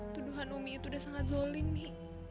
tuduhan umi itu udah sangat zolim nih